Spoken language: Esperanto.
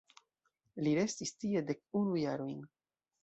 Li restis tie dek unu jarojn.